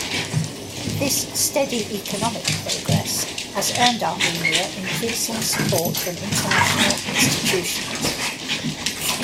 This steady economic progress has earned Armenia increasing support from international institutions.